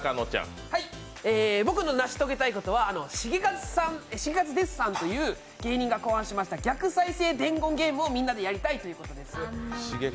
僕の成し遂げたいことはシゲカズですさんという芸人が考案しました逆再生伝言ゲームをみんなでやりたいということです。